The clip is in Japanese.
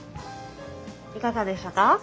いかがでしたか？